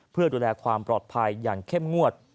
เพื่อดูแลความปลอดภัยอย่างเข้มงวด